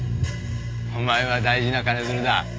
お前は大事な金づるだ。